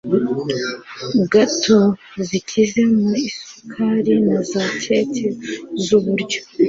gato zikize ku isukari na za keke zuburyo